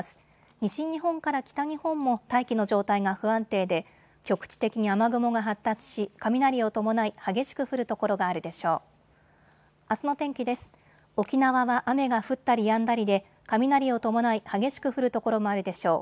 西日本から北日本も大気の状態が不安定で局地的に雨雲が発達し雷を伴い激しく降る所があるでしょう。